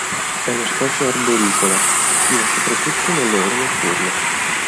È una specie arboricola, attiva soprattutto nelle ore notturne.